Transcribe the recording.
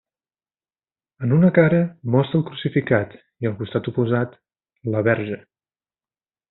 En una cara mostra el crucificat i al costat oposat, la Verge.